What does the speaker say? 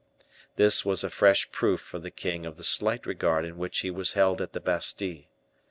This was a fresh proof for the king of the slight regard in which he was held at the Bastile.